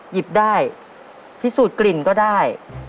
หยิบได้พิสูจน์กลิ่นก็ได้